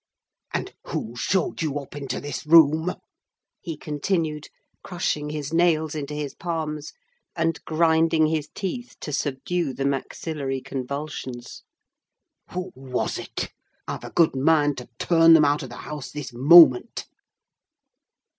"And who showed you up into this room?" he continued, crushing his nails into his palms, and grinding his teeth to subdue the maxillary convulsions. "Who was it? I've a good mind to turn them out of the house this moment!"